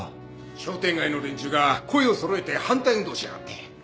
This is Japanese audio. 商店街の連中が声を揃えて反対運動しやがって。